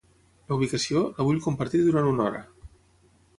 La ubicació, la vull compartir durant una hora.